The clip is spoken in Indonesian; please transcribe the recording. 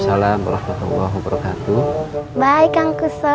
surah suara itu sama ulang kelima kan